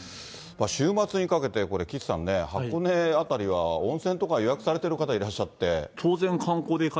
週末にかけてこれ岸さんね、箱根辺りは温泉とか予約されてる方いらっしゃって。